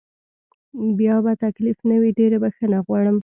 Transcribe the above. بیا به تکلیف نه وي، ډېره بخښنه غواړم.